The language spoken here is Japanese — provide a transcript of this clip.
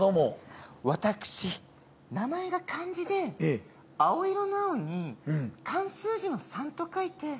私、名前が漢字で青色の青に、漢数字の三と書いて。